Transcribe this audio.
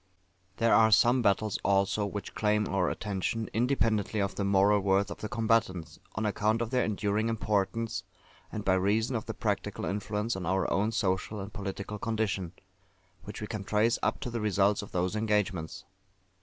There are some battles, also, which claim our attention, independently of the moral worth of the combatants, on account of their enduring importance, and by reason of the practical influence on our own social and political condition, which we can trace up to the results of those engagements.